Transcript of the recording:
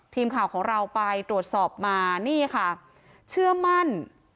ทีมข่าวของเราไปตรวจสอบมานี่ค่ะเชื่อมั่น